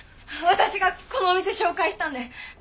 私がこのお店紹介したんで。